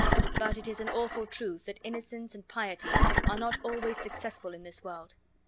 But it is an awful truth that innocence and piety are not always successful in this world.